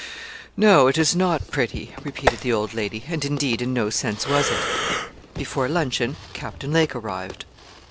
'No; it is not pretty,' repeated the old lady; and, indeed, in no sense was it. Before luncheon Captain Lake arrived.